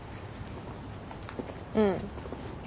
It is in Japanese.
うん。